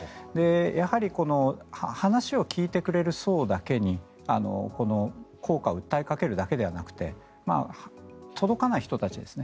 やはり話を聞いてくれる層だけにこの効果を訴えかけるだけではなくて届かない人たちですね。